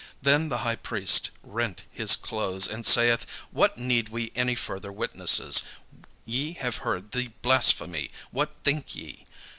Then the high priest rent his clothes, and saith, "What need we any further witnesses? Ye have heard the blasphemy: what think ye?"